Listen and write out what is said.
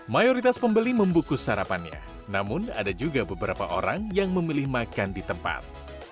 mayoritas pembeli membukus sarapannya namun ada juga beberapa orang yang memilih makan di tempat